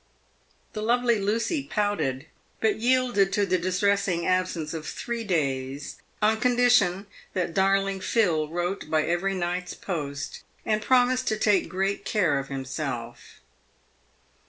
The lovely Lucy pouted, but yielded to the distressing absence of three days, on condition that darling Phil wrote by every night's post, and promised to take great care of himself.